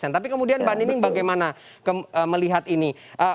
tapi kemudian mbak nining bagaimana melihat ini